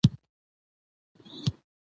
چار مغز د افغانستان د طبیعت د ښکلا یوه برخه ده.